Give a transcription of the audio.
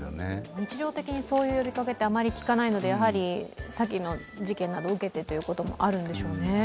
日常的にそういう呼びかけはあまり聞かないので、先の事件などを受けてということもあるんでしょうね。